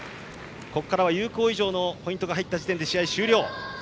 ここからは有効以上のポイントが入った時点で試合終了。